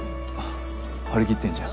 張り切ってんじゃん。